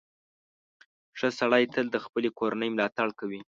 • ښه سړی تل د خپلې کورنۍ ملاتړ کوي.